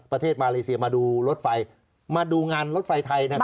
ประเทศมาเลเซียมาดูรถไฟมาดูงานรถไฟไทยนะครับ